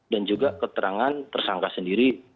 dan juga keterangan tersangka sendiri